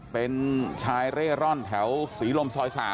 เป็นชายเร่ร่อนแถวศรีลมซอย๓